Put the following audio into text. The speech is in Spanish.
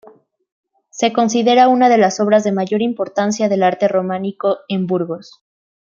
Se considera una de las obras de mayor importancia del arte románico en Burgos.